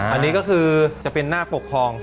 อันนี้ก็คือจะเป็นหน้าปกครอง